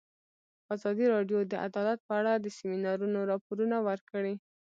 ازادي راډیو د عدالت په اړه د سیمینارونو راپورونه ورکړي.